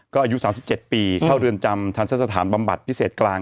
ก็อายุสามสิบเจ็ดปีเข้าเรือนจำทันทรศถารณ์บำบัดพิเศษกลาง